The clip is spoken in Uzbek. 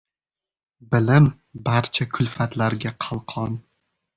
Bilim — barcha kulfatlarga qalqon.